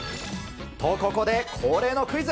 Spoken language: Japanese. と、ここで恒例のクイズ。